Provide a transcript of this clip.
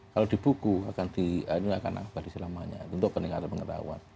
kalau di buku akan di ini akan abadi selamanya untuk peningkatan pengetahuan